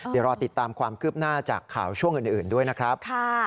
เดี๋ยวรอติดตามความคืบหน้าจากข่าวช่วงอื่นด้วยนะครับ